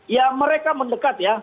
ya mereka mendekat ya